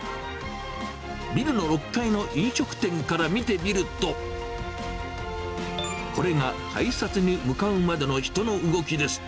ビルの６階の飲食店から見てみると、これが改札に向かうまでの人の動きです。